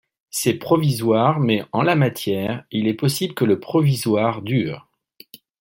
C’est provisoire mais en la matière il est possible que le provisoire dure.